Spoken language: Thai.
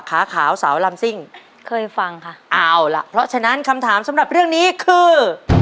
ขาวสาวลำซิ่งเคยฟังค่ะเอาล่ะเพราะฉะนั้นคำถามสำหรับเรื่องนี้คือ